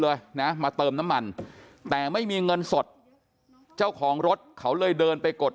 เลยนะมาเติมน้ำมันแต่ไม่มีเงินสดเจ้าของรถเขาเลยเดินไปกด